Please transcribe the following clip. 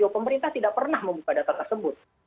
pemerintah tidak pernah membuka data tersebut